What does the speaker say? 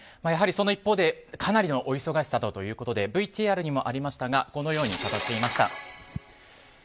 やはりその一方でかなりのお忙しさということでＶＴＲにもありましたがこのように語っていました。